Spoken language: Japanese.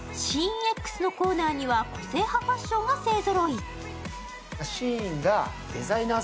ＳＨＥＩＮＸのコーナーには個性派ファッションが勢ぞろい。